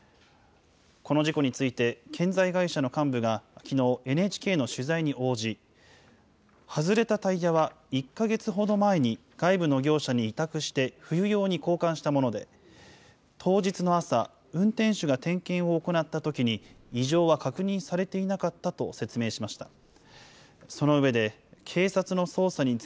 この事故について、建材会社の幹部がきのう、ＮＨＫの取材に応じ、外れたタイヤは、１か月ほど前に外部の業者に委託して冬用に交換したもので、当日の朝、運転手が点検を行ったときに異常は確認されていなかったと説明しました。